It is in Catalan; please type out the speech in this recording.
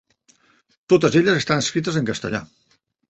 Totes elles estan escrites en castellà.